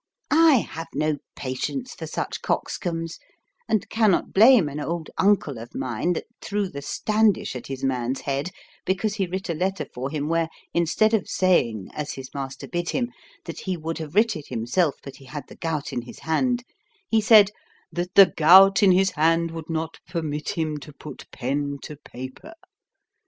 I have no patience for such coxcombs, and cannot blame an old uncle of mine that threw the standish at his man's head because he writ a letter for him where, instead of saying (as his master bid him), "that he would have writ himself, but he had the gout in his hand," he said, "that the gout in his hand would not permit him to put pen to paper."